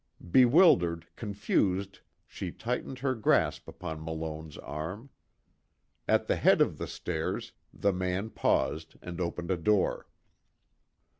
Bewildered, confused, she tightened her grasp upon Malone's arm. At the head of the stairs, the man paused and opened a door.